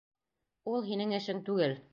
Ул һинең эшең түгел.